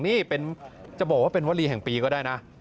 นี่จะบอกว่าเป็นวลีแห่งปีก็ได้นะ